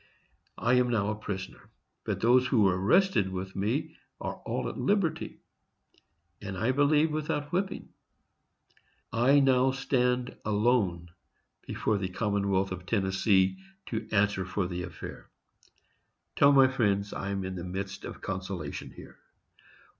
I am now a prisoner, but those who were arrested with me are all at liberty, and I believe without whipping. I now stand alone before the Commonwealth of Tennessee to answer for the affair. Tell my friends I am in the midst of consolation here.